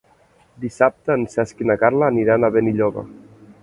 Dissabte en Cesc i na Carla aniran a Benilloba.